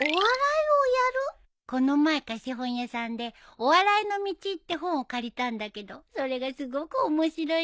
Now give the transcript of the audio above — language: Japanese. この前貸本屋さんで『お笑いの道』って本を借りたんだけどそれがすごく面白いんだよ。